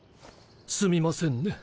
すみませんね。